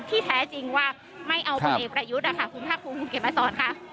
ที่แท้จริงว่าไม่เอาประเด็นประยุทธ์ค่ะคุณภาคภูมิเก็บมาสอนค่ะ